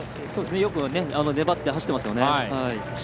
よく粘って走っています。